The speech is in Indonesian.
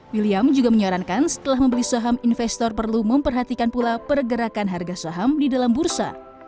william juga menyarankan setelah membeli saham investor perlu memperhatikan pula pergerakan harga saham di dalam bursa